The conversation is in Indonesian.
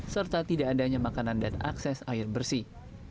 serta tidak adanya makanan dan akses air bersih